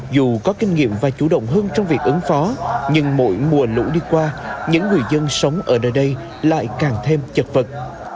dù có kinh nghiệm và chủ động hơn trong việc ứng phó nhưng mỗi mùa lũ đi qua những người dân sống ở đây lại càng thêm chật vật